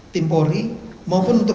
tim polri maupun untuk